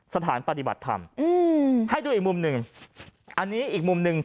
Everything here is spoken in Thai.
สถานปฏิบัติธรรมอืมให้ดูอีกมุมหนึ่งอันนี้อีกมุมหนึ่ง